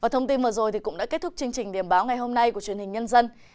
thông tin vừa rồi cũng đã kết thúc chương trình điểm báo ngày hôm nay của truyền hình nhân dân